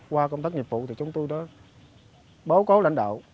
qua công tác nhiệm vụ chúng tôi đã báo cáo lãnh đạo